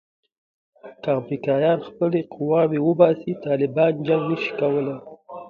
که امریکایان خپلې قواوې وباسي طالبان جنګ نه شي کولای.